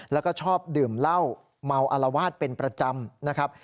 แล้วก็ชอบดื่มเหล้าเมาอารวาสเป็นประจำนะครับ